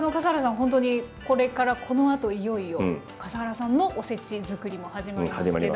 ほんとにこれからこのあといよいよ笠原さんのおせちづくりも始まりますけど。